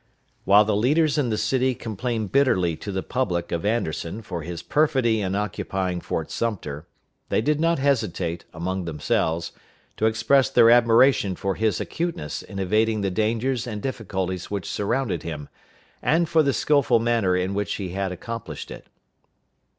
While the leaders in the city complained bitterly to the public of Anderson for his perfidy in occupying Fort Sumter, they did not hesitate, among themselves, to express their admiration for his acuteness in evading the dangers and difficulties which surrounded him, and for the skillful manner in which he had accomplished it.